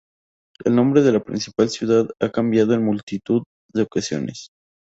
El nombre de la principal ciudad ha cambiado en multitud de ocasiones.